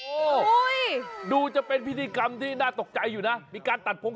โอ้โหดูจะเป็นพิธีกรรมที่น่าตกใจอยู่นะมีการตัดพง